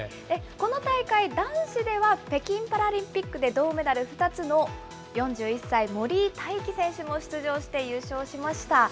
この大会、男子では北京パラリンピックで銅メダル２つの４１歳、森井大輝選手も出場して優勝しました。